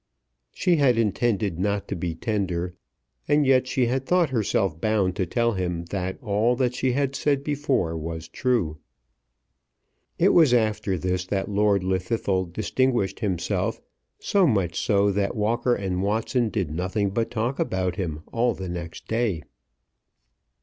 She had intended not to be tender, and yet she had thought herself bound to tell him that all that she had said before was true. It was after this that Lord Llwddythlw distinguished himself, so much so that Walker and Watson did nothing but talk about him all the next day.